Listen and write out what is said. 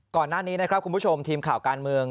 ก่อนหน้านี้นะครับคุณผู้ชมทีมข่าวการเมือง